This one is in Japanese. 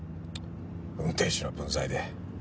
運転手の分際で。